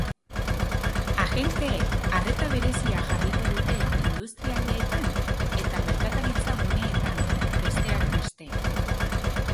Agenteek arreta berezia jarriko dute industrialdeetan eta merkataritza-guneetan, besteak beste.